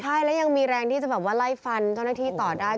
ใช่แล้วยังมีแรงที่จะแบบว่าไล่ฟันเจ้าหน้าที่ต่อได้